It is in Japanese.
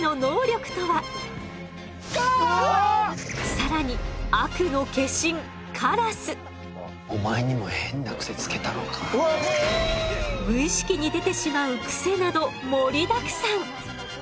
更に悪の化身無意識に出てしまうクセなど盛りだくさん。